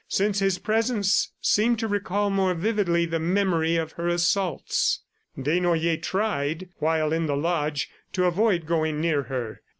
Since his presence seemed to recall more vividly the memory of her assaults, Desnoyers tried, while in the lodge, to avoid going near her.